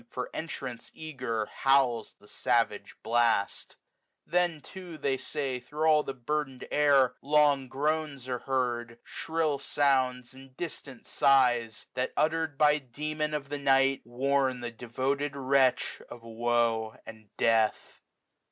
For entrance eager, howls the savage blast. 190 Then too, they say, thro' all the burtfaen'd air. Long groans are heard, shrill sounds, and distant sigh;. That, utter'd by the Demon of the night. WINTER. tSs Wnm thie dcwtod wretch of woe and death.